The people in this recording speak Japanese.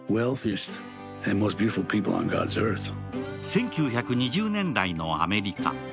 １９２０年代のアメリカ。